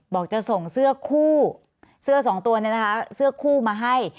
บอกจะส่งเสื้อคู่เสื้อสองตัวเนี่ยนะคะเสื้อคู่มาให้